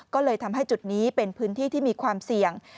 ก็เลยทำให้จุดนี้เป็นพื้นที่ที่มีความเสี่ยง